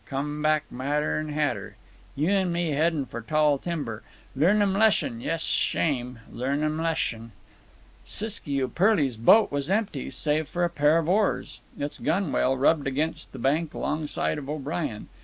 Come back madder 'n hatter. You an' me headin' for tall timber. Learn 'm lesshon jes' shame, learn 'm lesshon." Siskiyou Pearly's boat was empty, save for a pair of oars. Its gunwale rubbed against the bank alongside of O'Brien.